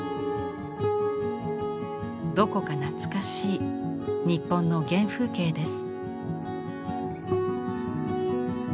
どこか懐かしい日本の原風景です。